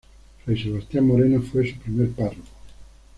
Fray Sebastián Moreno, fue su primer párroco.